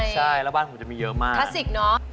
ใช่แล้วบ้านผมจะมีเยอะมากคลาสสิกเนอะ